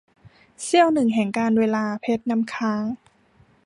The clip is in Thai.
เสี้ยวหนึ่งแห่งกาลเวลา - เพชรน้ำค้าง